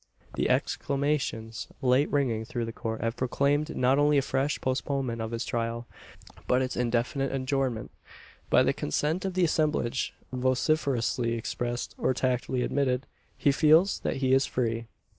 The exclamations late ringing through the court have proclaimed not only a fresh postponement of his trial, but its indefinite adjournment. By the consent of the assemblage, vociferously expressed, or tacitly admitted, he feels that he is free.